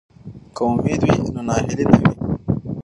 که امید وي نو ناهیلي نه وي.